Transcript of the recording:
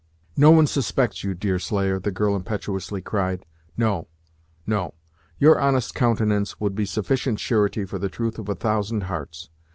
"No one suspects you, Deerslayer," the girl impetuously cried. "No no your honest countenance would be sufficient surety for the truth of a thousand hearts!